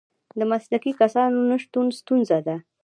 د مسلکي کسانو نشتون ستونزه ده.